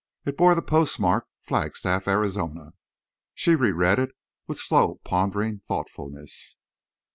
It bore the postmark, Flagstaff, Arizona. She reread it with slow pondering thoughtfulness.